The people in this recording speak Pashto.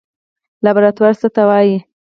لابراتوار څه ته وایي؟